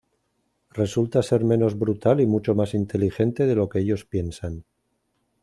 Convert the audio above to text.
Resulta ser menos brutal y mucho más inteligente de lo que ellos piensan.